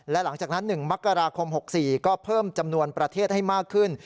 และหลังจากนั้น๑มกราคม๖๔ก็เพิ่มจำนวนประเทศให้มากขึ้น